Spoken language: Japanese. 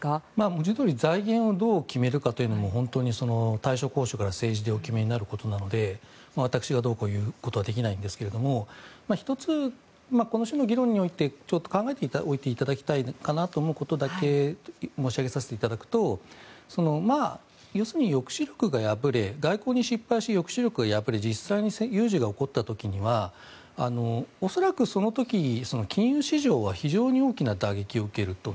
文字どおり財源をどう決めるかというのは大所高所で政治でお決めになることになので私がどうこう言うことはできないですが１つ、この種の議論において考えていただきたいことだけを申し上げさせていただくと要するに、抑止力が破れ外交に失敗し、抑止力が破れ実際に有事が起きた時には恐らくその時、金融市場は非常に大きな打撃を受けると。